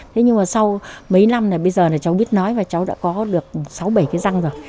thế nhưng mà sau mấy năm này bây giờ là cháu biết nói và cháu đã có được sáu bảy cái răng rồi